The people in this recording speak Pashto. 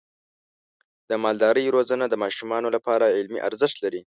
د مالدارۍ روزنه د ماشومانو لپاره علمي ارزښت لري.